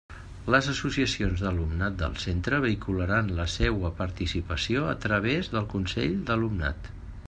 Les associacions d'alumnat del centre vehicularan la seua participació a través del consell d'alumnat.